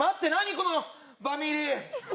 このバミリ！